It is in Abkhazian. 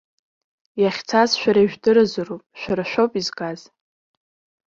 Иахьцаз шәара ижәдыруазароуп, шәара шәоуп изгаз!